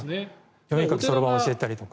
読み書き、そろばん教えたりとか。